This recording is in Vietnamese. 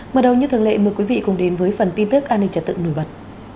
mở đầu như thường lệ mời quý vị cùng đến với phần tin tức an ninh trật tự nổi bật